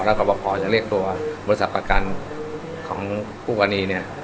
แล้วก็พอจะเรียกตัวบริษัทประกันของคู่กรณีเนี่ย